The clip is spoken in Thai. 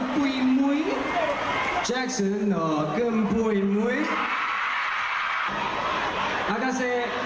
ชันอิจฉาดีเจนุยมาก